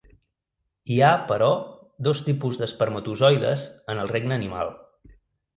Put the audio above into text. Hi ha, però, dos tipus d'espermatozoides en el regne animal.